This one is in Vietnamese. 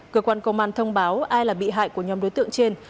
cơ quan công an thông báo ai là bị hại của nhóm đối tượng trên